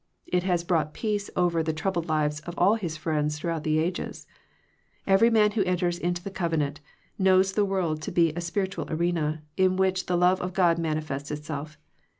It has brought peace over the troubled lives of all His friends throughout the ages. Every man who enters into the covenant, knows the world to be a spiritual arena, in which the love of God manifests itself.